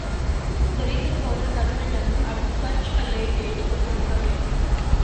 The reason for his admittance at such a late date is uncertain.